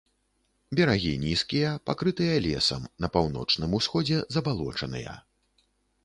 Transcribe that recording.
Берагі нізкія, пакрытыя лесам, на паўночным усходзе забалочаныя.